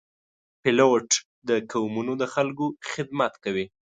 پیلوټ د ټولو قومونو د خلکو خدمت کوي.